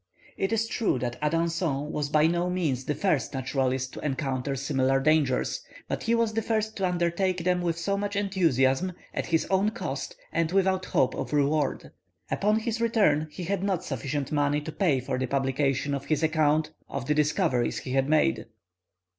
It is true that Adanson was by no means the first naturalist to encounter similar dangers, but he was the first to undertake them, with so much enthusiasm, at his own cost, and without hope of reward. Upon his return, he had not sufficient money to pay for the publication of his account of the discoveries he had made.